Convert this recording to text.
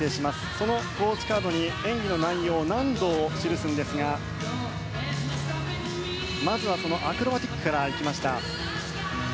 そのコーチカードを演技の内容や難度を示すんですがまずはアクロバッティックからいきました。